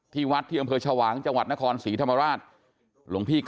ที่วัดก้าเฉาหวางจังหวัดนครศรีธรรมราช